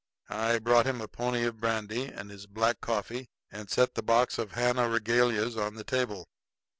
I brought him a pony of brandy and his black coffee, and set the box of Havana regalias on the table.